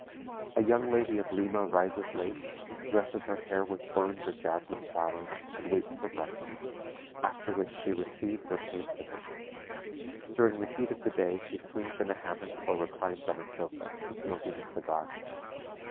A young lady of Lima rises late, dresses her hair with orange or jasmine flowers, and waits for breakfast, after which she receives or pays visits. During the heat of the day she swings in a hammock or reclines on a sofa, smoking a cigar.